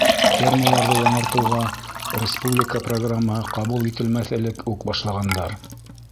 Фермаларҙы яңыртыуға республика программаһы ҡабул ителмәҫ элек үк башлағандар.